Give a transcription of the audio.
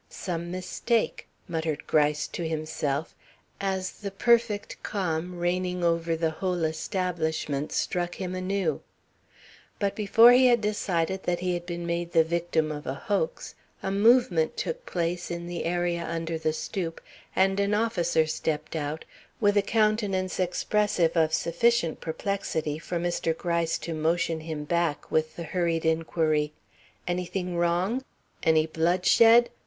"Some mistake," muttered Gryce to himself, as the perfect calm reigning over the whole establishment struck him anew. But before he had decided that he had been made the victim of a hoax, a movement took place in the area under the stoop, and an officer stepped out, with a countenance expressive of sufficient perplexity for Mr. Gryce to motion him back with the hurried inquiry: "Anything wrong? Any blood shed?